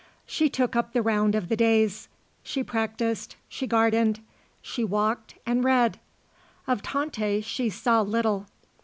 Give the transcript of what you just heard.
She took up the round of the days. She practised; she gardened, she walked and read. Of Tante she saw little.